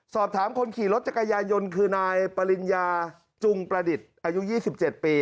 สอบถามคนขี่รถจักรยายนคือนายปริญญาจุงประดิษฐ์อายุ๒๗ปี